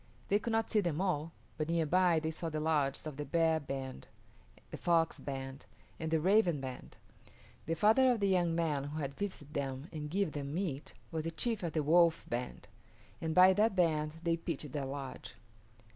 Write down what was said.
They could not see them all, but near by they saw the lodges of the Bear band, the Fox band, and the Raven band. The father of the young man who had visited them and given them meat was the chief of the Wolf band, and by that band they pitched their lodge.